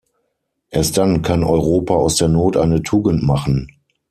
Erst dann kann Europa aus der Not eine Tugend machen.